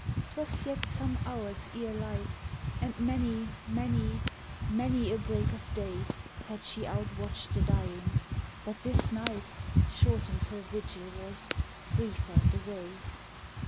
'Twas yet some hours ere light; And many, many, many a break of day Had she outwatched the dying; but this night Shortened her vigil was, briefer the way.